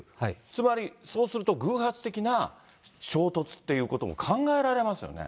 つまり、そうすると偶発的な衝突っていうことも考えられますよね。